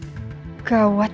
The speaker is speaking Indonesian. pemilikan kantor polisi